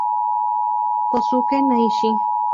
Kosuke Nishi